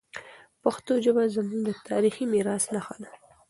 پښتو ژبه زموږ د تاریخي میراث نښه ده.